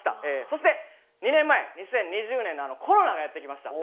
そして２年前２０２０年にコロナがやってきました。